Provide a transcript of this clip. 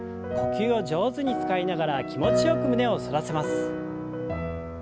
呼吸を上手に使いながら気持ちよく胸を反らせます。